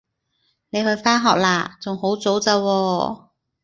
你去返學喇？仲好早咋喎